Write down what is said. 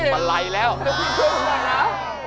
มันไหลแล้วพี่ช่วยผมด้วยนะ